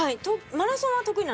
マラソンは得意なんですよ。